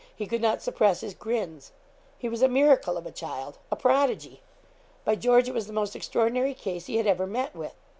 He could not suppress his grins. He was a miracle of a child! a prodigy! By George, it was the most extraordinary case he had ever met with!